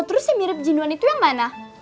terus yang mirip jenuan itu yang mana